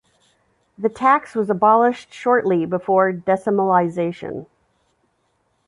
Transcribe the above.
The tax was abolished shortly before decimalisation.